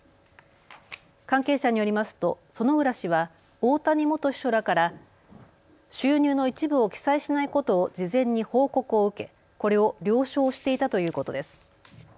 関係者によりますと薗浦氏は大谷元秘書らから収入の一部を記載しないことを事前に報告を受け、これを了承していたということです。